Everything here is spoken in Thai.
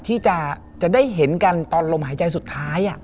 ที่จะได้เห็นกันตอนลมหายใจสุดท้าย